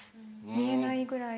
見えないぐらい。